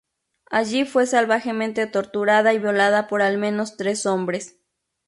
Allí fue salvajemente torturada y violada por al menos tres hombres.